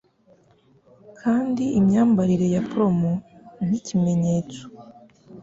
Kandi imyambarire ya prom nk'ikimenyetso